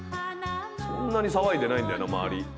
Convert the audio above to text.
そんなに騒いでないんだよな周り。